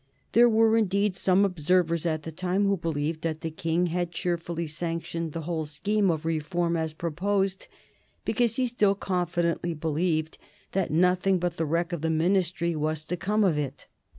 There were indeed some observers at the time who believed that the King had cheerfully sanctioned the whole scheme of reform as proposed, because he still confidently believed that nothing but the wreck of the Ministry was to come of it.